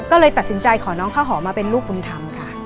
ก็เลยตัดสินใจขอน้องข้าวหอมมาเป็นลูกบุญธรรมค่ะ